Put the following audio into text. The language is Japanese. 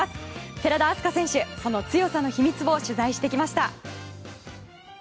寺田明日香選手その強さの秘密を取材してきました。